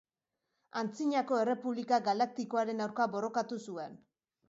Antzinako Errepublika Galaktikoaren aurka borrokatu zuen.